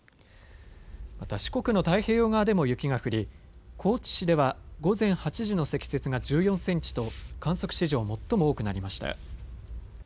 また四国の太平洋側でも雪が降り高知市では午前８時の積雪が１４センチと観測史上、最も多くなりました。